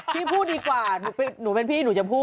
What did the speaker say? พี่พูดดีกว่าหนูเป็นพี่หนูจะพูด